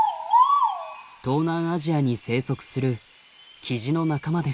東南アジアに生息するキジの仲間です。